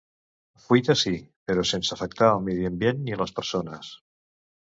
Fuita sí, però sense afectar el medi ambient ni les persones.